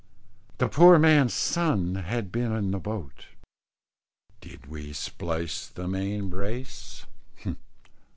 The poor man's son had been in the boat. Did we splice the main brace?